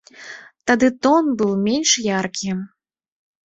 Тады тон быў менш яркі.